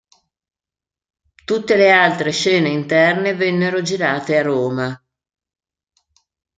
Tutte le altre scene interne vennero girate a Roma.